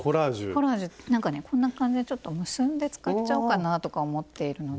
コラージュなんかねこんな感じでちょっと結んで使っちゃおうかなとか思っているので。